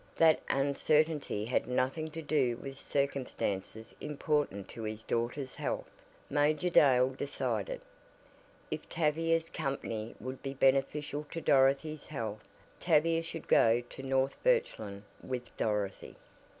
That uncertainty had nothing to do with circumstances important to his daughter's health, Major Dale decided. If Tavia's company would be beneficial to Dorothy's health Tavia should go to North Birchland with Dorothy.